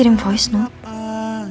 sampai jumpa lagi